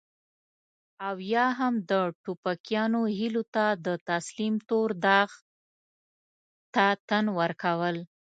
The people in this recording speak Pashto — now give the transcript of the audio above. او يا هم د ټوپکيانو هيلو ته د تسليم تور داغ ته تن ورکول.